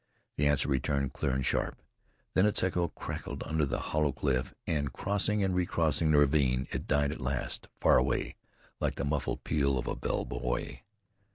The answer returned clear and sharp; then its echo cracked under the hollow cliff, and crossing and recrossing the ravine, it died at last far away, like the muffled peal of a bell buoy.